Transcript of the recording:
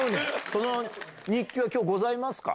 その日記はきょう、ございますか？